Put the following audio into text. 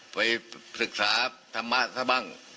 ไปศึกษาธรรมะซะบ้าง